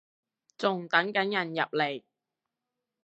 仲等緊人入嚟